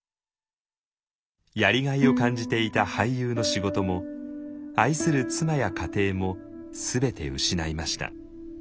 やりがいを感じていた俳優の仕事も愛する妻や家庭も全て失いました。